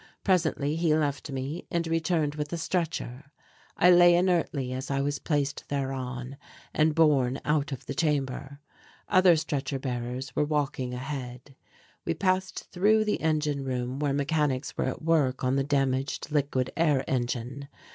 Presently he left me and returned with a stretcher. I lay inertly as I was placed thereon and borne out of the chamber. Other stretcher bearers were walking ahead. We passed through the engine room where mechanics were at work on the damaged liquid air engine.